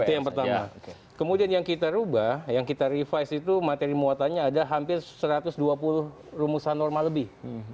itu yang pertama kemudian yang kita rubah yang kita revise itu materi muatannya ada hampir satu ratus dua puluh rumusan normal lebih